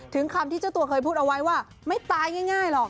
คำที่เจ้าตัวเคยพูดเอาไว้ว่าไม่ตายง่ายหรอก